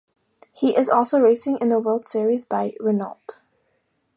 He is also racing in the World Series by Renault.